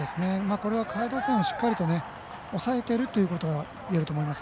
これは下位打線をしっかり抑えているといえると思います。